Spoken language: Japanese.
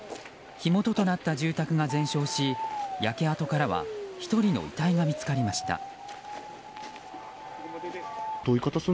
火元となった住宅が全焼し焼け跡からは１人の遺体が見つかりました。